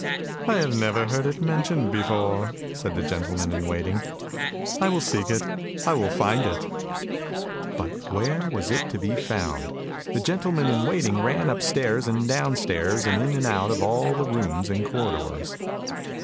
"" I have never heard it mentioned before," said the gentleman in waiting. " I will seek it, and I will find it! " But where was it to be found? The gentleman in waiting ran upstairs and downstairs and in and out of all the rooms and corridors.